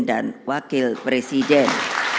dan wakil presiden